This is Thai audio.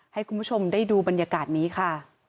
ให้คุณผู้ชมได้ดูบรรยากาศนี้ค่ะ